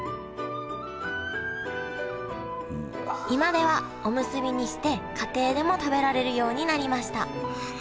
今ではおむすびにして家庭でも食べられるようになりました。